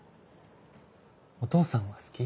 お父さんは好き？